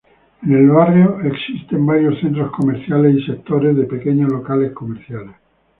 En el barrio existen varios centros comerciales y sectores de pequeños locales comerciales.